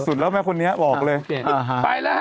สุดแล้วแม่คนนี้บอกเลย